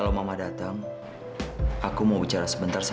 sampai jumpa di video selanjutnya